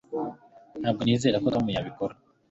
Ntabwo nizera ko Tom yabikora